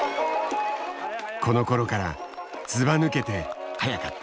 このころからずばぬけて速かった。